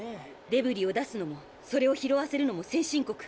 デブリを出すのもそれを拾わせるのも先進国。